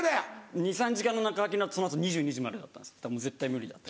２３時間の中空きの後その後２２時までだったんですだからもう絶対無理だって。